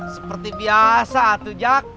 seperti biasa atu jak